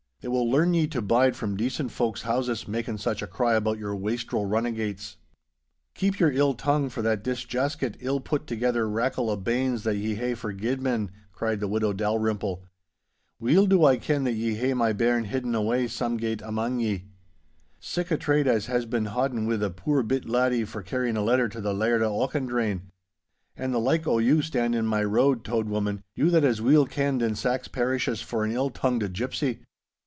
It will learn ye to bide from decent folk's houses, making such a cry about your wastrel runnagates.' 'Keep your ill tongue for that disjaskit, ill put thegither rachle o' banes that ye hae for guidman,' cried the widow Dalrymple. 'Weel do I ken that ye hae my bairn hidden awa' somegate amang ye. Sic a trade as has been hauden wi' the puir bit laddie for carryin' a letter to the Laird o' Auchendrayne. An' the like o' you to stand in my road, Tode woman, you that is weel kenned in sax pairishes for an ill tongued gipsy.